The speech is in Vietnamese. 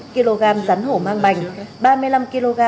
ba mươi năm kg rắn hổ mang bành ba cá thể rùa ba cá thể tắc kè